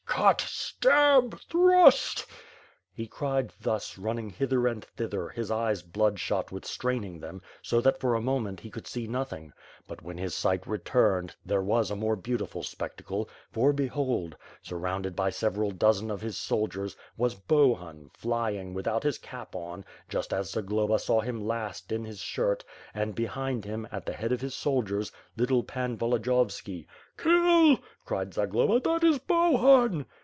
Cut! Stab! Thrust!'^ He cried thus, running hither and thither, his eyes blood shot with straining them, so that for a moment he could see nothing. But, when his sight returned, there was a more beautiful spectacle, for behold — surrounded by several dozen of his soldiers, was Bohun, flying without his cap on, just as Zagloba saw him last, in his shirt; and, behind him, at the head of his soldiers, little Pan Volodiyovski. Kill!^' cried Zagloba. "That is Bohun!"